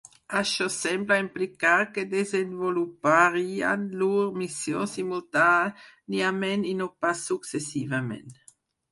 Això sembla implicar que desenvoluparien llur missió simultàniament i no pas successivament.